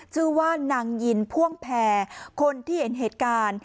ชื่อว่านางยินพ่วงแพรคนที่เห็นเหตุการณ์